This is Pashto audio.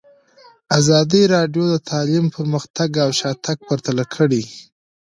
ازادي راډیو د تعلیم پرمختګ او شاتګ پرتله کړی.